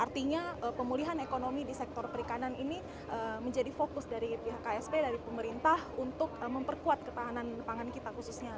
artinya pemulihan ekonomi di sektor perikanan ini menjadi fokus dari pihak ksp dari pemerintah untuk memperkuat ketahanan pangan kita khususnya